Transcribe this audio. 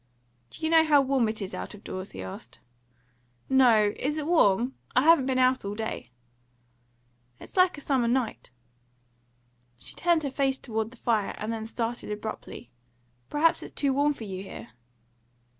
"Do you know how warm it is out of doors?" he asked. "No, is it warm? I haven't been out all day." "It's like a summer night." She turned her face towards the fire, and then started abruptly. "Perhaps it's too warm for you here?"